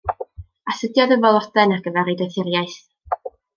Astudiodd y falwoden ar gyfer ei doethuriaeth.